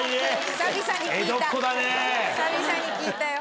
久々に聞いたよ。